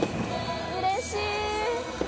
うれしい。